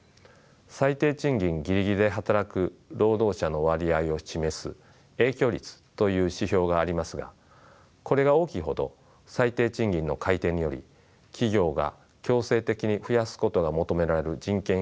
最低賃金ぎりぎりで働く労働者の割合を示す影響率という指標がありますがこれが大きいほど最低賃金の改定により企業が強制的に増やすことが求められる人件費負担が重くなります。